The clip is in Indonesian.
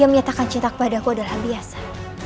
yang menyatakan cinta kepada aku adalah biasa